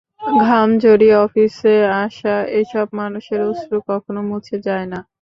ঘাম ঝরিয়ে অফিসে আসা এসব মানুষের অশ্রু কখনো মুছে যায় না।